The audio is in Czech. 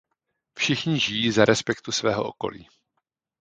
Všichni žijí za respektu svého okolí.